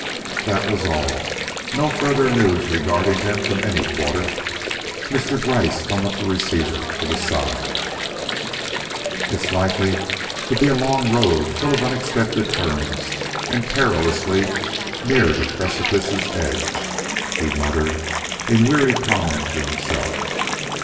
That was all. No further news regarding them from any quarter. Mr. Gryce hung up the receiver with a sigh. "It is likely to be a long road full of unexpected turns and perilously near the precipice's edge," he muttered in weary comment to himself.